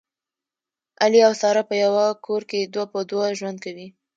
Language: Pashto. علي او ساره په یوه کور کې دوه په دوه ژوند کوي